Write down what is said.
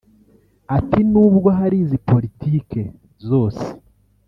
Ati "Nubwo hari izi politike zose